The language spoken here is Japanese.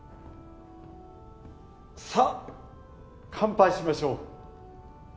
さあ乾杯しましょう。